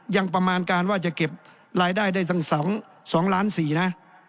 ยังประมาณการว่าจะเก็บรายได้ได้ตั้ง๒ล้าน๔นะ